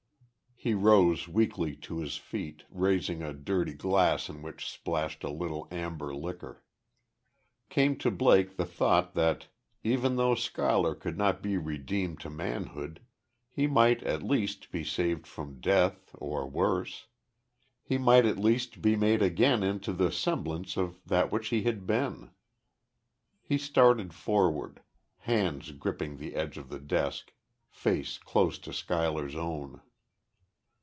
He rose weakly to his feet, raising a dirty glass in which splashed a little amber liquor. Came to Blake the thought that, even though Schuyler could not be redeemed to manhood, he might at least, be saved from death, or worse. He might at least be made again into the semblance of that which he had been. He started forward, hands gripping the edge of the desk, face close to Schuyler's own.